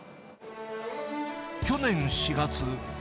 去年４月。